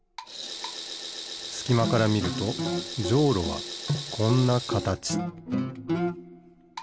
すきまからみるとじょうろはこんなかたち